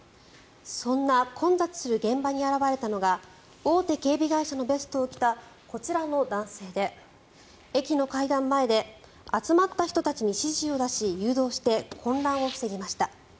そんな混雑する現場に現れたのが大手警備会社のベストを着たこちらの男性で駅の階段前で集まった人たちに指示を出し誘導して、混乱を防ぎました。